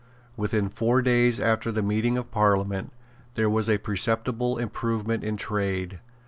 Within four days after the meeting of Parliament there was a perceptible improvement in trade.